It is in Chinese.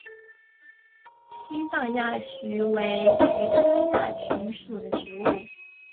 西藏亚菊为菊科亚菊属的植物。